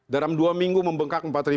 dalam dua minggu membengkak